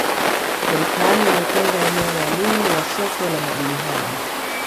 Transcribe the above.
serikali imetenga eneo maalumu la soko la madini hayo